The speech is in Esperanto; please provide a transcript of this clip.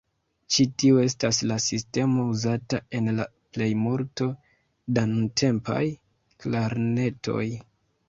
Ĉi tiu estas la sistemo uzata en la plejmulto da nuntempaj klarnetoj.